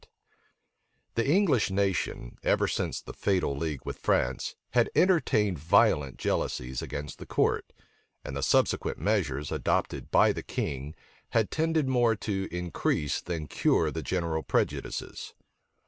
} THE English nation, ever since the fatal league with France, had entertained violent jealousies against the court; and the subsequent measures adopted by the king had tended more to increase than cure the general prejudices.